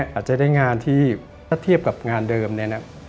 อาจจะได้งานที่ถ้าเทียบกับงานเดิมเนี่ยนะ